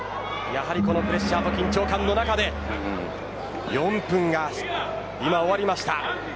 やはりこのプレッシャーと緊張感の中で４分が今終わりました。